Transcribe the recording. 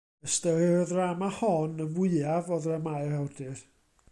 Ystyrir y ddrama hon y fwyaf o ddramâu'r awdur.